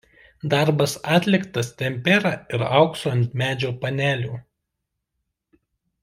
Darbas atliktas tempera ir auksu ant medžio panelių.